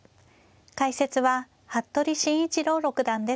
解説は服部慎一郎六段です。